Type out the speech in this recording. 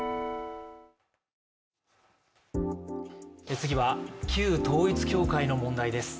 次は旧統一教会の問題です。